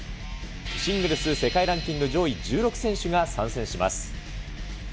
シングルス世界ランキング上位１６選手が参戦します。